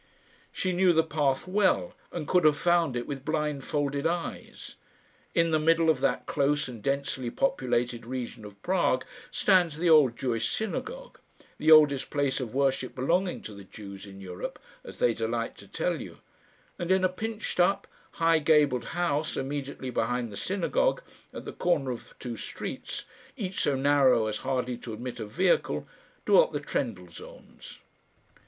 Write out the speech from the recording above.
She knew the path well, and could have found it with blindfolded eyes. In the middle of that close and densely populated region of Prague stands the old Jewish synagogue the oldest place of worship belonging to the Jews in Europe, as they delight to tell you; and in a pinched up, high gabled house immediately behind the synagogue, at the corner of two streets, each so narrow as hardly to admit a vehicle, dwelt the Trendellsohns.